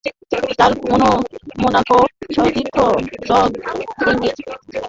তাঁর মোনাকো সতীর্থ রদ্রিগেজও রিয়ালে নাম লেখানোয় সেই গুঞ্জনটা আরও জোরালো হয়েছিল।